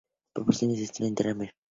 Porciones de la historia interna de Mr.